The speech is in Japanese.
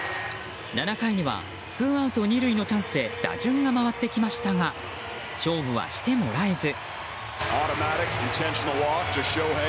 ７回にはツーアウト２塁のチャンスで打順が回ってきましたが勝負はしてもらえず。